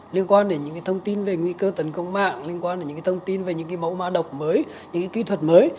liên quan đến những thông tin về nguy cơ tấn công mạng liên quan đến những thông tin về những mẫu mã độc mới những kỹ thuật mới